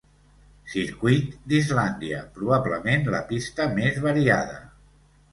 Circuit d'Islàndia, probablement la pista més variada.